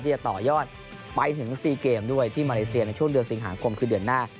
จะต่อยอดไปถึง๔เกมด้วยที่มาเลเซียในช่วงเดือนสิงหาคมคือเดือนหน้า